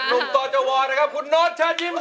หนุ่มต่อจวรท์คุณโน๊ตชัดยิ้มคะ